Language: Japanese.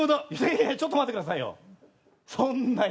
いやいやちょっと待ってくださいよ。